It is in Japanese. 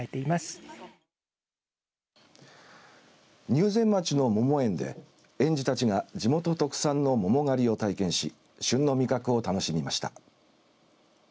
入善町の桃園で園児たちが地元特産の桃狩りを体験し旬の味覚を楽しみました。